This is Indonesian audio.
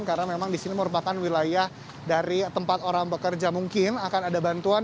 karena memang di sini merupakan wilayah dari tempat orang pekerja mungkin akan ada bantuan